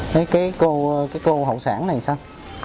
thấy cái cô hậu sản này sao